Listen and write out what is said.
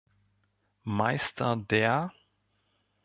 Meister der